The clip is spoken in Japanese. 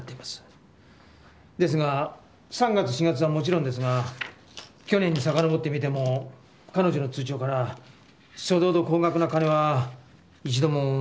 ですが３月４月はもちろんですが去年にさかのぼってみても彼女の通帳からそれほど高額な金は一度も引き出されてないんです。